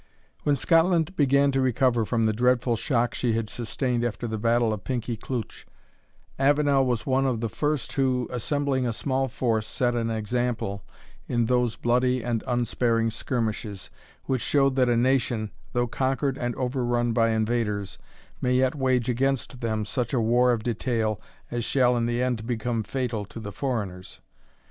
When Scotland began to recover from the dreadful shock she had sustained after the battle of Pinkie Cleuch, Avenel was one of the first who, assembling a small force, set an example in those bloody and unsparing skirmishes, which showed that a nation, though conquered and overrun by invaders, may yet wage against them such a war of detail as shall in the end become fatal to the foreigners.